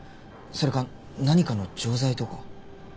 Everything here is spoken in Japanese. それか何かの錠剤とか？